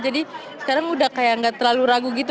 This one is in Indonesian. jadi sekarang sudah tidak terlalu ragu